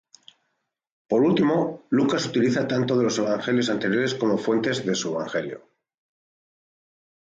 Por último, Lucas utiliza tanto de los evangelios anteriores como fuentes de su Evangelio.